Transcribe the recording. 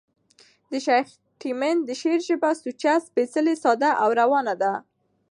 د شېخ تیمن د شعر ژبه سوچه، سپېڅلې، ساده او روانه ده.